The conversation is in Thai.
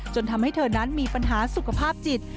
จนทำให้เธอนั้นมีปัญหาสุขภาพจิต